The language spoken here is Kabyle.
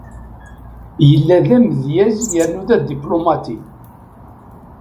Yella d amedyaz yernu d adiplumati.